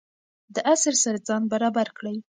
د عصر سره ځان برابر کړئ.